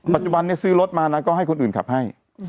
ปัจจุบันนี้ซื้อรถมานะก็ให้คนอื่นขับให้